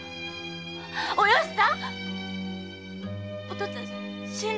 およしさん！